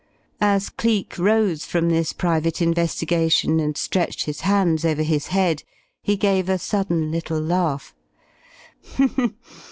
As Cleek rose from this private investigation and stretched his hands over his head, he gave a sudden little laugh.